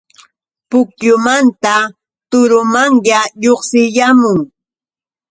Pukyumanta turumanya lluqsiyaamun.